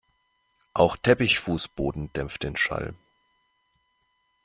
Auch Teppichfußboden dämpft den Schall.